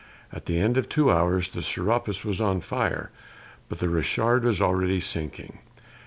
At the end of two hours, the Serapis was on fire; but the Richard was already sinking.